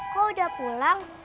kau udah pulang